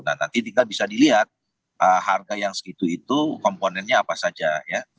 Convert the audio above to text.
nah nanti tinggal bisa dilihat harga yang segitu itu komponennya apa saja ya